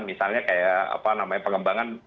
misalnya kayak apa namanya pengembangan